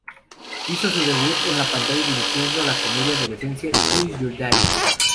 Hizo su debut en la pantalla dirigiendo la comedia adolescente "Who's Your Daddy?".